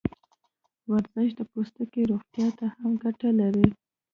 ورزش د پوستکي روغتیا ته هم ګټه لري.